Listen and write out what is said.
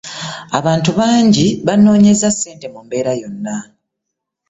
Abantu bangi banonyeza ssente mu mbeera yonna.